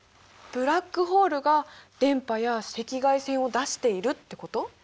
ブラックホールが電波や赤外線を出しているってこと？